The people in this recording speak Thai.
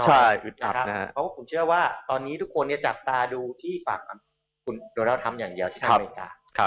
เพราะว่าผมเชื่อว่าตอนนี้ทุกคนจับตาดูที่ฝั่งคุณโดนัลดทรัมป์อย่างเดียวที่อเมริกา